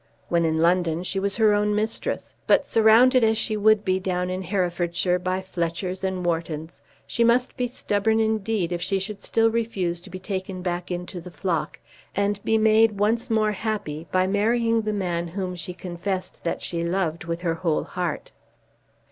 When in London she was her own mistress; but surrounded as she would be down in Herefordshire by Fletchers and Whartons, she must be stubborn indeed if she should still refuse to be taken back into the flock, and be made once more happy by marrying the man whom she confessed that she loved with her whole heart.